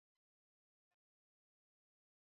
raisi magufuli alilalamika kwa kukuta hazina haina fedha